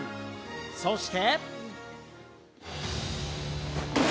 そして。